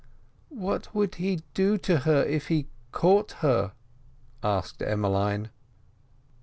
"What would he do to her if he caught her?" asked Emmeline.